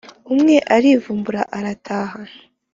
umwe arivumbura arataha